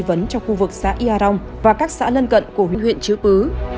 ghi vấn cho khu vực xã yà rong và các xã lân cận của huyện chứ bứ